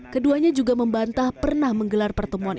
keduanya juga membantah pernah menggabungkan keputusan